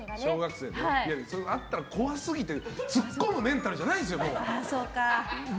あったら怖すぎてツッコむメンタルじゃないんですよ。